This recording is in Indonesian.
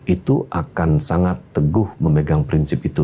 itu akan sangat teguh memegang prinsip itu